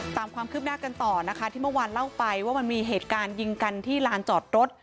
ตามความคืบหน้ากันต่อนะคะที่เมื่อวานเล่าไปว่ามันมีเหตุการณ์ยิงกันที่ลานจอดรถ